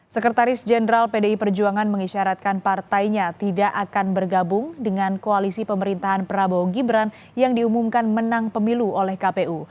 sekretaris jenderal pdi perjuangan mengisyaratkan partainya tidak akan bergabung dengan koalisi pemerintahan prabowo gibran yang diumumkan menang pemilu oleh kpu